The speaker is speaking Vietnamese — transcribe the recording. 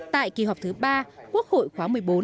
tại kỳ họp thứ ba quốc hội khóa một mươi bốn